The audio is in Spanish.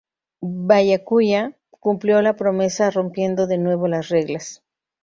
Byakuya cumplió la promesa, rompiendo de nuevo las reglas.